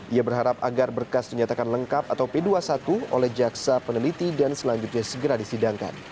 ia berharap agar berkas dinyatakan lengkap atau p dua puluh satu oleh jaksa peneliti dan selanjutnya segera disidangkan